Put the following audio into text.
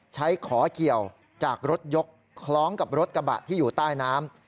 ขอเกี่ยวจากรถยกคล้องกับรถกระบะที่อยู่ใต้น้ำ